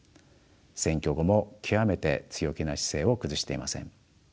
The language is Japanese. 選挙後も極めて強気な姿勢を崩していません。